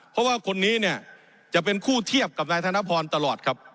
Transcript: เพราะว่าคนนี้เนี่ยจะเป็นคู่เทียบกับนายธนพรตลอดครับ